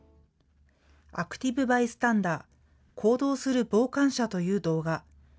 アクティブバイスタンダー・行動する傍観者という動画。